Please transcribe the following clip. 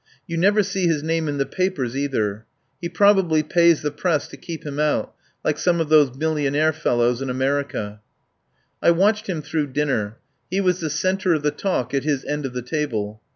You never see his name in the papers, either. He probably pays the Press to keep him out, like some of those millionaire fellows in Amer ica." I watched him through dinner. He was the centre of the talk at his end of the table.